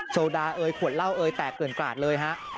โจดาเอ้ยขวดเล่าเอ้ยแตกเกินกละเลยฮะ